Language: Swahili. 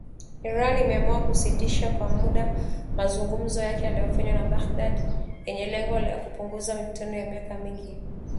Iran imeamua kusitisha kwa muda mazungumzo yake yaliyofanywa na Baghdad yenye lengo la kupunguza mivutano ya miaka mingi na hasimu wa kikanda Saudi Arabia